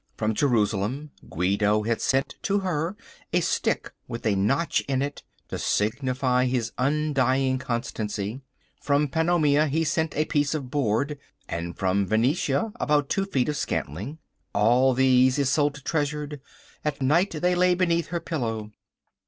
From Jerusalem Guido had sent to her a stick with a notch in it to signify his undying constancy. From Pannonia he sent a piece of board, and from Venetia about two feet of scantling. All these Isolde treasured. At night they lay beneath her pillow.